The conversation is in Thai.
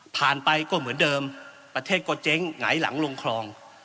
ไปก็เหมือนเดิมประเทศก็เจ๊งหงายหลังลงคลอง